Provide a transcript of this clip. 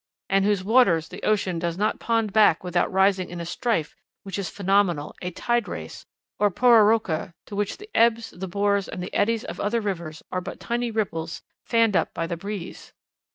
"And whose waters the ocean does not pond back without raising in a strife which is phenomenal, a tide race, or 'pororoca,' to which the ebbs, the bores, and the eddies of other rivers are but tiny ripples fanned up by the breeze."